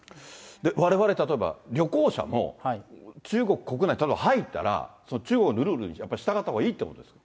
われわれ例えば旅行者も、中国国内、例えば入ったら、中国のルールにやっぱり従ったほうがいいということですか。